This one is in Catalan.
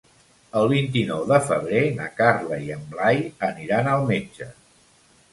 El vint-i-nou de febrer na Carla i en Blai aniran al metge.